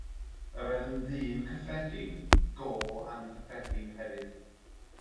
Yr oedd yn ddyn cyffredin go anghyffredin hefyd.